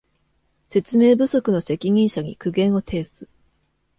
説明不足の責任者に苦言を呈す